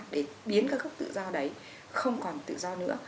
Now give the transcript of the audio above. để biến các gốc tự do đấy không còn tự do nữa